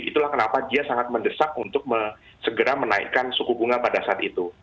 itulah kenapa dia sangat mendesak untuk segera menaikkan suku bunga pada saat itu